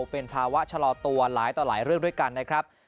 เป็นภาวะชะลอตัวหลายต่อหลายเรื่องด้วยกันนะครับ